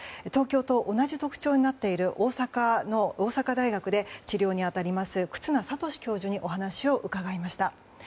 東京と同じ特徴になっている大阪の大阪大学で治療に当たります忽那賢志教授にお話を伺いました。